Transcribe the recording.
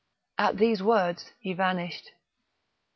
At these words he vanished.